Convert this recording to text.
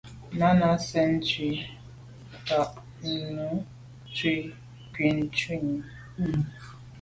Náná cɛ̌d tswî á ndǎ’ nə̀ tswì ŋkʉ̀n shúnī.